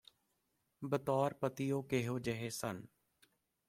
ਬਤੌਰ ਪਤੀ ਉਹ ਕਿਹੋ ਜਿਹੇ ਸਨ